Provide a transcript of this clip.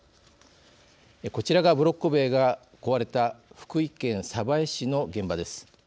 こちらがブロック塀が壊れた福井県鯖江市の現場です。